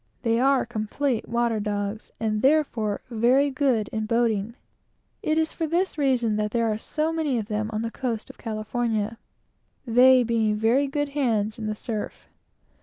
They are complete water dogs, therefore very good in boating. It is for this reason that there are so many of them on the coast of California; they being very good hands in the surf.